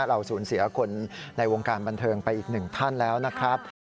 เราสูญเสียคนในวงการบันเทิงไปอีกหนึ่งท่านแล้วนะครับ